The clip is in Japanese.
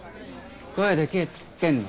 声でけえっつってんの。